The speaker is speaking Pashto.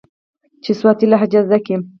چې سواتي لهجه زده کي.